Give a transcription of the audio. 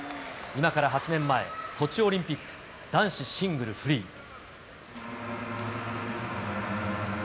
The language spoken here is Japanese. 今から８年前、ソチオリンピック男子シングルフリー。